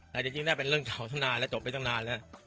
แต่จริงน่าเป็นเรื่องเก่าตั้งนานแล้วจบไปตั้งนานแล้ว